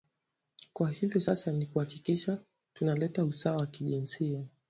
Kwa hivi sasa ni kuhakikisha tunaleta usawa wa kijinsia